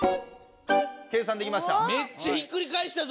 計算できました。